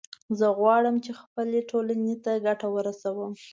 زه غواړم چې خپلې ټولنې ته ګټه ورسوم